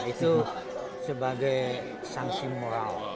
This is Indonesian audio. itu sebagai sanksi moral